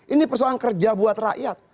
ini persoalan kerja buat rakyat